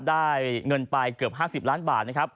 ได้เงินไปเกือบ๕๐ล้านบาทนะครับ